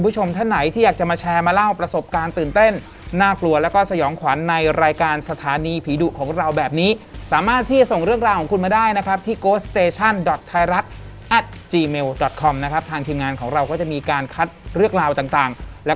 ชื่อนุ่มอันนี้คือชื่อจริงของเขา